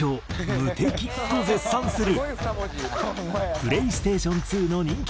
「無敵！」と絶賛する。